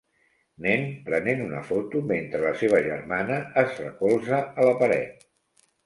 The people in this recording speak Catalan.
Nen prenent una foto mentre la seva germana es recolza a la paret.